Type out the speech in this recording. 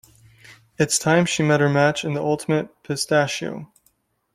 It's time she met her match in The Ultimate Pistachio.